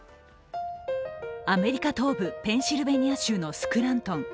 アメリカ東部ペンシルベニア州のスクラントン。